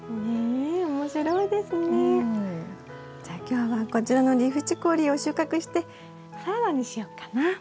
じゃあ今日はこちらのリーフチコリーを収穫してサラダにしよっかな。